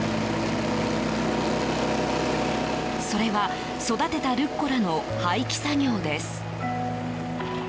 それは育てたルッコラの廃棄作業です。